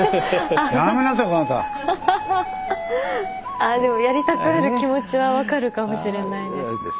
あでもやりたくなる気持ちは分かるかもしれないです。